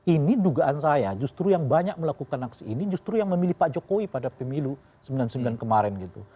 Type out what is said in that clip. ini dugaan saya justru yang banyak melakukan aksi ini justru yang memilih pak jokowi pada pemilu sembilan puluh sembilan kemarin gitu